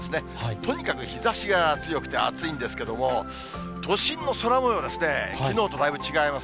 とにかく日ざしが強くて、暑いんですけども、都心の空もようですね、きのうとだいぶ違います。